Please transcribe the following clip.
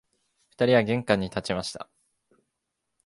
二人は玄関に立ちました